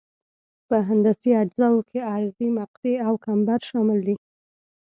په هندسي اجزاوو کې عرضي مقطع او کمبر شامل دي